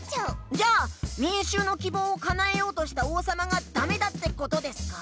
じゃあみんしゅうのきぼうをかなえようとした王さまがダメだってことですか？